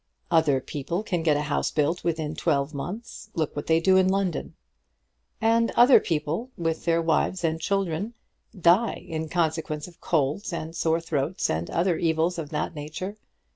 "Other people can get a house built within twelve months. Look what they do in London." "And other people with their wives and children die in consequence of colds and sore throats and other evils of that nature.